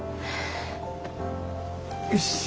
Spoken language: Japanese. よし！